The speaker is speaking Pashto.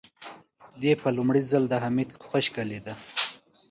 دې په لومړي ځل د حميد خشکه لېده.